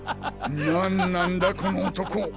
何なんだこの男。